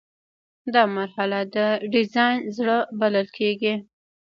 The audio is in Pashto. دا مرحله د ډیزاین زړه بلل کیږي.